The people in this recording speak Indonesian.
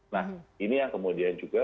nah ini yang kemudian juga